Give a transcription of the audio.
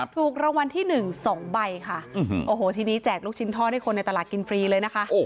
ถูกรางวัลที่๑๒ใบค่ะโอ้โหทีนี้แจกลูกชิ้นทอดให้คนในตลาดกินฟรีเลยนะคะ